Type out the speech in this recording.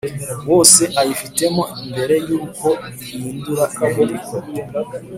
wose ayifitemo mbere y uko ihindura inyandiko